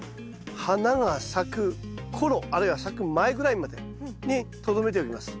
花が咲く頃あるいは咲く前ぐらいまでにとどめておきます。